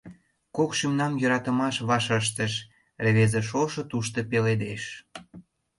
Кок шӱмнам йӧратымаш ваш ыштыш, Рвезе шошо тушто пеледеш.